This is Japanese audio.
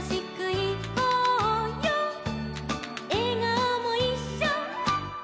「えがおもいっしょ」